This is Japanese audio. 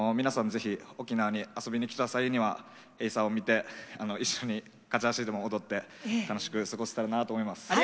是非沖縄に遊びに来た際にはエイサーを見て一緒にカチャーシーでも踊って楽しく過ごせたらなあと思います。